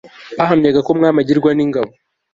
bahamyaga ko umwami agirwa n'ingabo